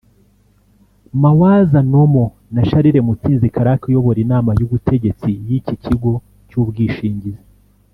Mawadza Nhomo na Charles Mutsinzi Karake uyobora inama y’ubutegetsi y’iki kigo cy’ubwishingizi